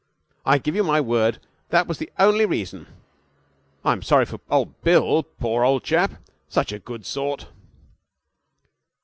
I give you my word that was the only reason. I'm sorry for old Bill, poor old chap. Such a good sort!'